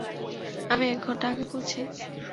আমি এক ঘন্টা আগে পৌঁছাই।